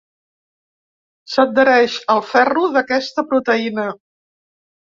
S'adhereix al ferro d'aquesta proteïna.